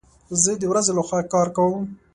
زه د ورځي لخوا کار کوم